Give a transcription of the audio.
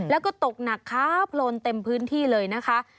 แล้วก็ตกหนักค้าโพลนเต็มพื้นที่เลยนะคะ